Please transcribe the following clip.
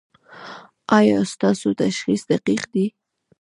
ایا ستاسو تشخیص دقیق دی؟